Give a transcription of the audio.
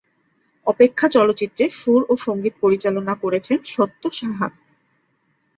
অপেক্ষা চলচ্চিত্রের সুর ও সঙ্গীত পরিচালনা করেছেন সত্য সাহা।